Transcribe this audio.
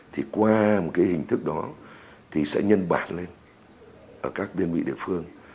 thì qua một cái hình thức đó thì sẽ nhân bản lên ở các đơn vị địa phương